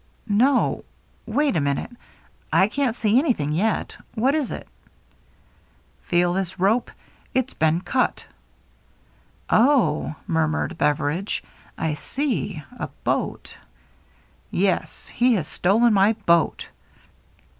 " No — wait a minute, I can't see anything yet. What is it ?"" Feel this rope. It*s been cut." " Oh," murmured Beveridge, " I see. A boat." " Yes. He has stolen my boat."